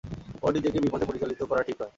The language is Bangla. ওর নিজেকে বিপথে পরিচালিত করা ঠিক নয়।